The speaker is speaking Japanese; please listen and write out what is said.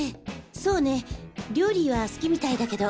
そうね料理は好きみたいだけど。